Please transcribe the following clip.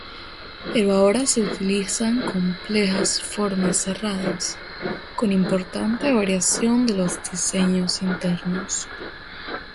Pero ahora se utilizan complejas formas cerradas, con importante variación de los diseños internos.